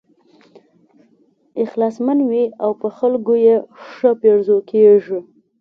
اخلاصمن وي او په خلکو یې ښه پیرزو کېږي.